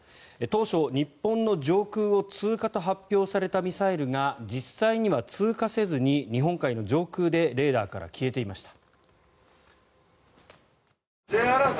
当初、日本の上空を通過と発表されたミサイルが実際には通過せずに日本海の上空でレーダーから消えていました。